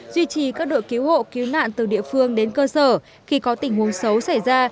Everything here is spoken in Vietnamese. duy trì các đội cứu hộ cứu nạn từ địa phương đến cơ sở khi có tình huống xấu xảy ra